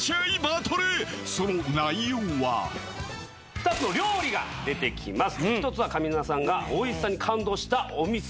２つの料理が出てきます。